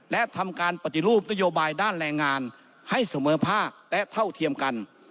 และทำการปฏิรูปนโยบายด้านแรงงานให้เสมอภาคและเท่าเทียมกัน